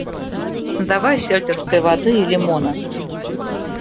Давай сельтерской воды и лимона.